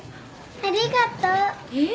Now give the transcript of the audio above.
ありがとう。え？